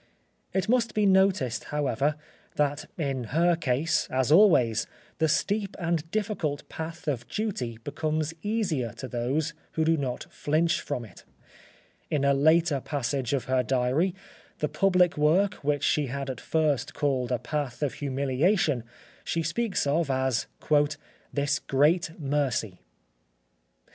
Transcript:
It must be noticed, however, that in her case, as always, the steep and difficult path of duty becomes easier to those who do not flinch from it. In a later passage of her diary, the public work which she had at first called a path of humiliation she speaks of as "this great mercy."